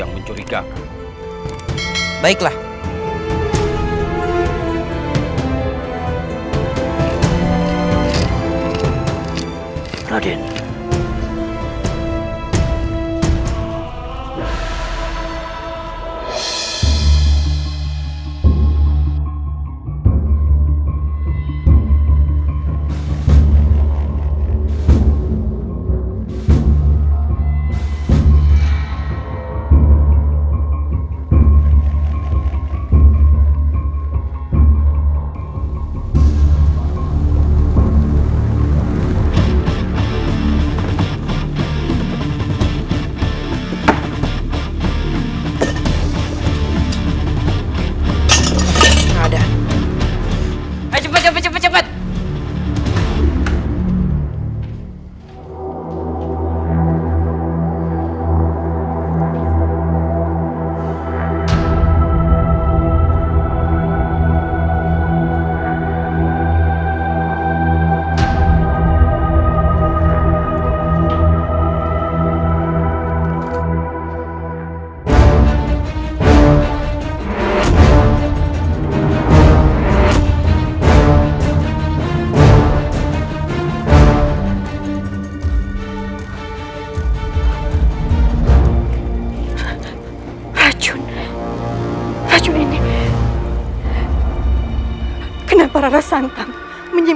beritahukan kepada rai